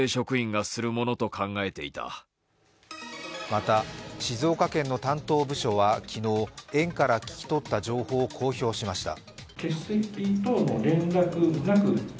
また、静岡県の担当部署は昨日、園から聞き取った情報を公表しました。